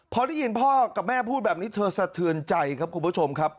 พอได้ยินพ่อกับแม่พูดแบบนี้เธอสะเทือนใจครับคุณผู้ชมครับ